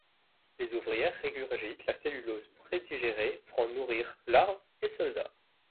Les ouvrières régurgitent la cellulose prédigérée pour en nourrir larves et soldats.